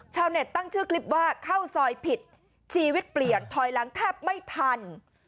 ตั้งชื่อคลิปว่าเข้าซอยผิดชีวิตเปลี่ยนถอยหลังแทบไม่ทัน